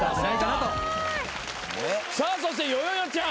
そしてよよよちゃん。